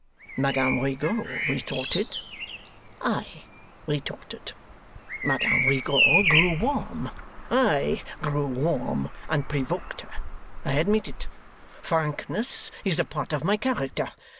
Madame Rigaud retorted; I retorted; Madame Rigaud grew warm; I grew warm, and provoked her. I admit it. Frankness is a part of my character.